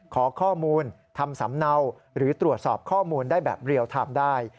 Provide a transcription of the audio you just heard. ขอข้อมูลทำสำเนาหรือตรวจสอบข้อมูลได้แบบเรียลไทม์ได้